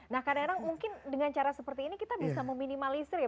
nah kadang kadang mungkin dengan cara seperti ini kita bisa meminimalisir ya